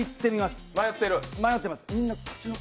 迷ってます。